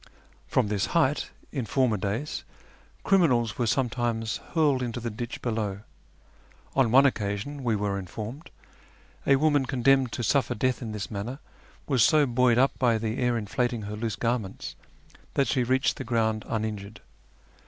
From this height, in former days, criminals were sometimes hurled into the ditch below. On one occasion, we were informed, a woman con demned to suffer death in this manner was so buoyed up by the air inflating her loose garments that she reached the ground uninjured.